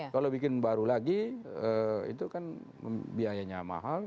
kalau bikin baru lagi itu kan biayanya mahal